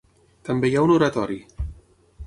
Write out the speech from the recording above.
També hi ha un oratori.